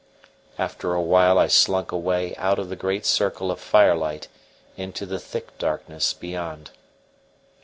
After a while I slunk away out of the great circle of firelight into the thick darkness beyond.